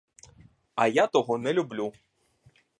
А я того не люблю.